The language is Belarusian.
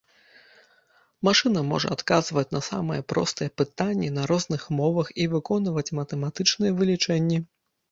Машына можа адказваць на самыя простыя пытанні на розных мовах і выконваць матэматычныя вылічэнні.